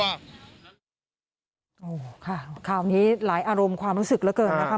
โอ้โหค่ะคราวนี้หลายอารมณ์ความรู้สึกเหลือเกินนะคะ